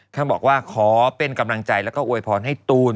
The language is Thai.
เขาบอกว่าขอเป็นกำลังใจแล้วก็อวยพรให้ตูน